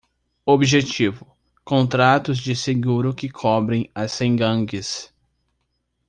Objetivo: contratos de seguro que cobrem as cem gangues.